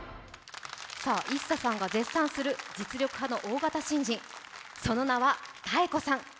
ＩＳＳＡさんが絶賛する実力派の大型新人、その名は、ＴＡＥＫＯさん。